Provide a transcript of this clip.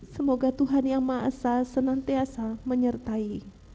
semoga tuhan yang maha esa senantiasa menyertai